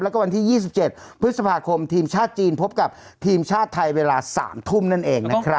แล้วก็วันที่๒๗พฤษภาคมทีมชาติจีนพบกับทีมชาติไทยเวลา๓ทุ่มนั่นเองนะครับ